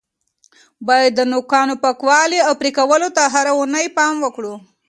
باید د نوکانو پاکوالي او پرې کولو ته هره اونۍ پام وکړو.